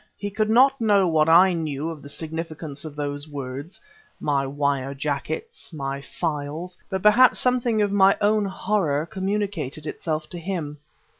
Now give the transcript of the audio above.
He could not know what I knew of the significance of those words "my wire jackets, my files" but perhaps something of my own horror communicated itself to him.